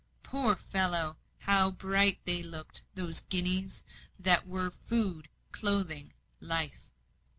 Poor fellow! how bright they looked; those guineas, that were food, clothing, life.